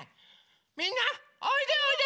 みんなおいでおいで！